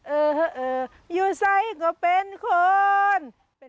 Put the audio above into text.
เอออยู่ใสก็เป็นคน